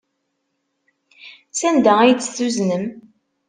Sanda ay tt-tuznem?